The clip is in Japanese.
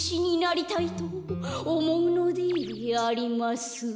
「おもうのでありますうう」